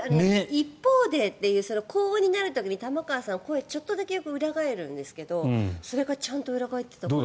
一方でという高音になる時に玉川さん、声がちょっとだけ裏返るんですけどそれがちゃんと裏返ってたから。